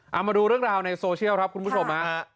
เอามาดูเรื่องราวในโซเชียลครับคุณผู้ชมฮะ